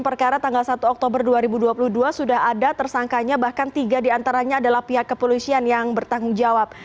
perkara tanggal satu oktober dua ribu dua puluh dua sudah ada tersangkanya bahkan tiga diantaranya adalah pihak kepolisian yang bertanggung jawab